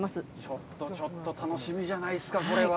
ちょっとちょっと楽しみじゃないですか、これは。